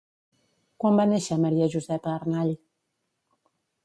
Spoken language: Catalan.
Quan va néixer Maria Josepa Arnall?